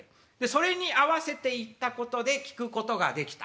それに合わせて行ったことで聞くことができた。